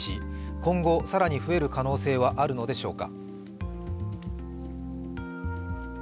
今後更に増える可能性はあるのでしょうか。